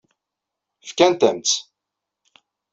Fkant-am-tt.